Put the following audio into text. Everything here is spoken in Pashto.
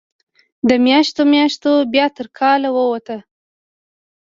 د میاشتو، میاشتو بیا تر کال ووته